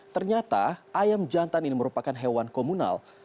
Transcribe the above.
ternyata ayam jantan ini merupakan hewan komunal